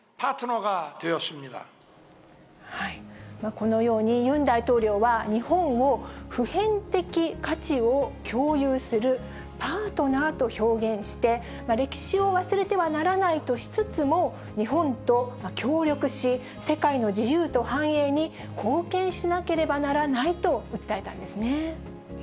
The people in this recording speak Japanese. このようにユン大統領は、日本を普遍的価値を共有するパートナーと表現して、歴史を忘れてはならないとしつつも、日本と協力し、世界の自由と繁栄に貢献しなければならないと訴えたんですね。